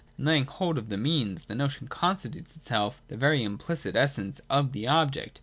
In laying hold of the means, the notion constitutes itself the very impHcit essence of the object.